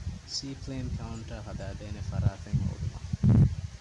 ސީޕްލޭން ކައުންޓަރ ހަދާދޭނެ ފަރާތެއް ހޯދުމަށް